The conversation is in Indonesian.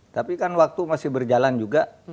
tapi kan waktu masih berjalan juga